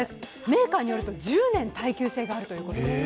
メーカーによると１０年、耐久性があるということです。